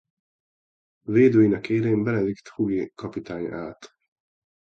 Védőinek élén Benedikt Hugi kapitány állt.